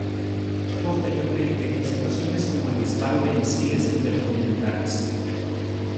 Posteriormente en situaciones como el disparo de misiles intercontinentales.